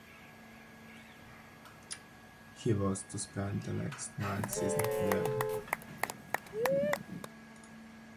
He was to spend the next nine seasons there.